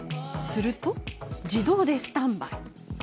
すると自動でスタンバイ。